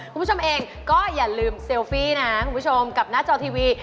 คุณผู้ชมเองก็อย่าลืมเซลฟี่นะคุณผู้ชมกับหน้าจอทีวี